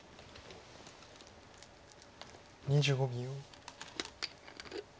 ２５秒。